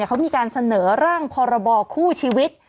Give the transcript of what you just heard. เขามีการเสนอร่างพรบคู่ชีวิต